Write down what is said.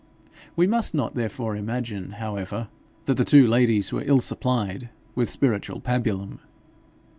We must not therefore imagine, however, that the two ladies were ill supplied with spiritual pabulum.